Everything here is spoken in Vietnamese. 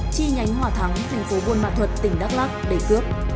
chi nhánh hòa thắng thành phố buôn mạc thuật tỉnh đắk lắc đẩy cướp